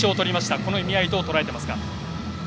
この意味合いをどう捉えていますか？